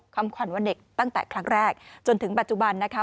คำขวัญวันเด็กตั้งแต่ครั้งแรกจนถึงปัจจุบันนะคะ